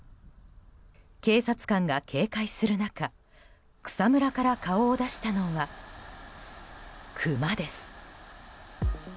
警察官が警戒する中草むらから顔を出したのはクマです。